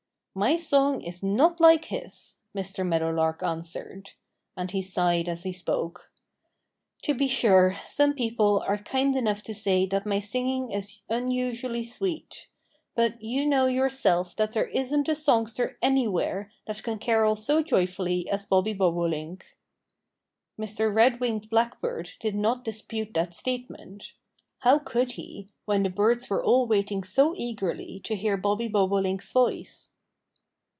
"My song is not like his," Mr. Meadowlark answered. And he sighed as he spoke. "To be sure, some people are kind enough to say that my singing is unusually sweet. But you know yourself that there isn't a songster anywhere that can carol so joyfully as Bobby Bobolink." Mr. Red winged Blackbird did not dispute that statement. How could he, when the birds were all waiting so eagerly to hear Bobby Bobolink's voice?